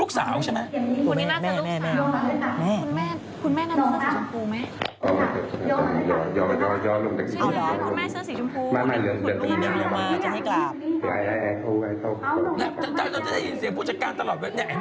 เราจะได้ยินเสียงผู้จัดการตลอดเวลา